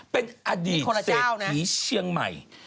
เป็นอดีตเศรษฐีเชียงใหม่